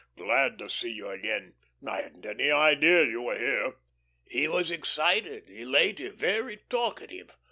"Glad to see you again. I hadn't an idea you were here." He was excited, elated, very talkative.